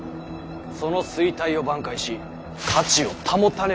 その衰退を挽回し価値を保たねばならない。